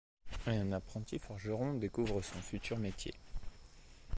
Un apprenti forgeron découvre son futur métier.